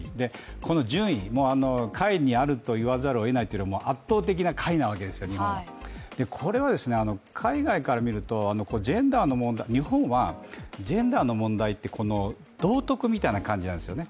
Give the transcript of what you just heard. この順位も下位にあると言わざるをえないという圧倒的な下位なわけですよ、日本はこれは海外からみると、日本はジェンダーの問題って道徳みたいな感じなんですよね。